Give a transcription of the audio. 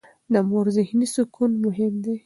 د مور ذهني سکون مهم دی.